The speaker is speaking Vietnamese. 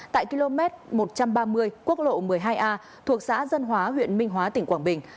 tại km một trăm ba mươi quốc lộ một mươi hai a thuộc xã dân hóa huyện minh hóa tỉnh quảng bình